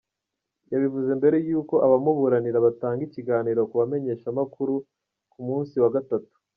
Yabivuze imbere y'uko abamuburanira batanga ikiganiro ku bamenyeshamakuru ku musi wa gatatu.